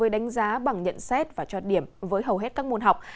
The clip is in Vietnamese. đánh giá bằng nhận xét và cho điểm với hầu hết các môn học